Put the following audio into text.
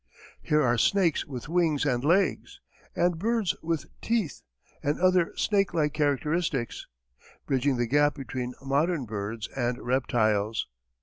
Here are snakes with wings and legs, and birds with teeth and other snakelike characteristics, bridging the gap between modern birds and reptiles.